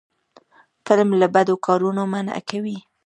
فلم له بدو کارونو منع کوي